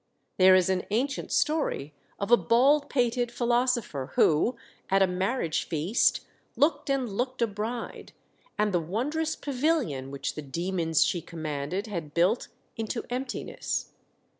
There is an ancient story of a bald pated philoso pher who, at a marriage feast, looked and looked a bride, and the wondrous pavilion which the demons she commanded had built, into emptiness.